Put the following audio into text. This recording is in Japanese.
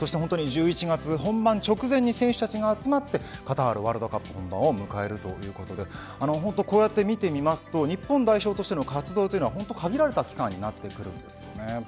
１１月本番直前に選手たちが集まってカタールワールドカップ本番を迎えるということでこうやって見てみますと日本代表としての活動というのは限られた期間になります。